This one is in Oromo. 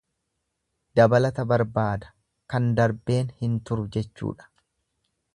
Dabalata barbaada kan darbeen hin turu jechuudha.